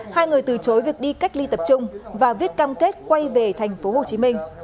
hai người từ chối việc đi cách ly tập trung và viết cam kết quay về thành phố hồ chí minh